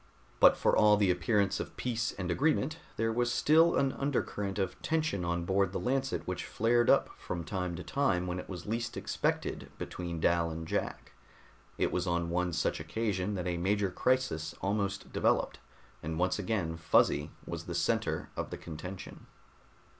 But for all the appearance of peace and agreement, there was still an undercurrent of tension on board the Lancet which flared up from time to time when it was least expected, between Dal and Jack. It was on one such occasion that a major crisis almost developed, and once again Fuzzy was the center of the contention.